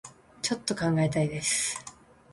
ちょっと考えたいです